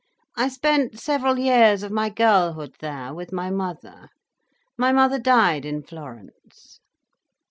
I spent several years of my girlhood there, with my mother. My mother died in Florence."